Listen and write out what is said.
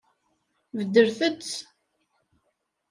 Beddlet-t.